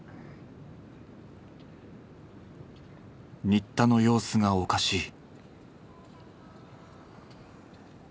新田の様子がおかしい。